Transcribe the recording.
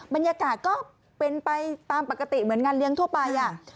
บรรยากาศก็เป็นไปตามปกติเหมือนงานเลี้ยงทั่วไป